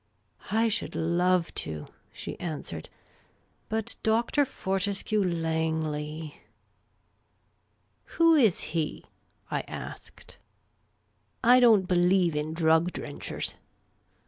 " I should love to," she answered ;" but Dr. Fortescue lyangley " "Who is he?" I asked. "I don't believe in drug drenchers."